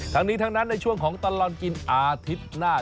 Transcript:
ทั้งนี้ทั้งนั้นในช่วงของตลอดกินอาทิตย์หน้า